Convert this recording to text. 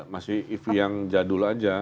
masih ev yang jadul aja